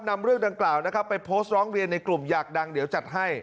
นำเรื่องดังกล่าวนะครับไปโพสต์ร้องเรียนในกลุ่มอยากดังเดี๋ยวจัดให้